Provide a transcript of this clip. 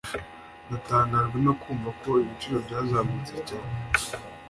Natangajwe no kumva ko ibiciro byazamutse cyane